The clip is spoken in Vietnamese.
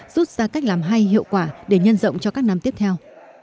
rút ra cách làm hay hiệu quả để nhân rộng cho các năm tiếp theo